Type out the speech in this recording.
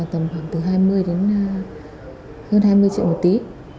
cái số lượng là tầm khoảng từ hai mươi đến hơn hai mươi triệu một tí